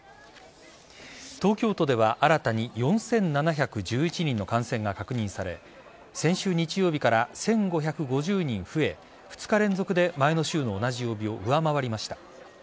東京都では新たに４７１１人の感染が確認され先週日曜日から１５５０人増え２日連続で前の週の同じ曜日を上回りました。